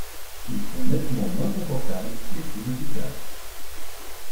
Ils sont nettement moins confortables, mais plus efficaces.